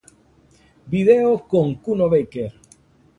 Video con Kuno Becker